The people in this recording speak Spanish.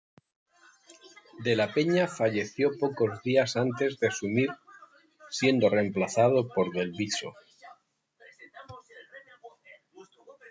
De la Peña falleció pocos días antes de asumir siendo reemplazado por Del Viso.